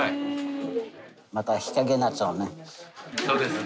また日陰になっちゃうね。